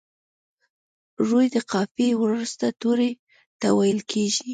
روي د قافیې وروستي توري ته ویل کیږي.